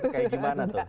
kayak gimana tuh